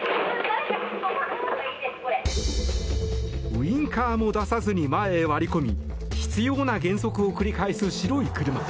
ウィンカーも出さずに前へ割り込み執拗な減速を繰り返す白い車。